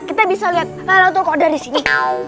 kita bisa liat larutnya kok dari sini